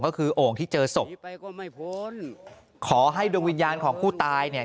ก็คือโอ่งที่เจอศพขอให้ดวงวิญญาณของผู้ตายเนี่ย